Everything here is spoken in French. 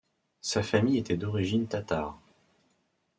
Sa famille était d'origine tatare.